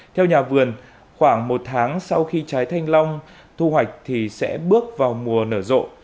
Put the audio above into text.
theo nhà vườn khoảng một tháng sau khi trái thanh long thu hoạch thì sẽ bước vào mùa nở rộ